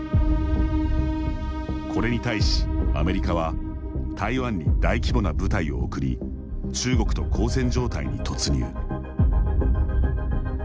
これに対し、アメリカは台湾に大規模な部隊を送り中国と交戦状態に突入。